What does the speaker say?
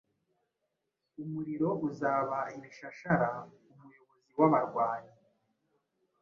Umuriro uzaba ibishashara umuyobozi wabarwanyi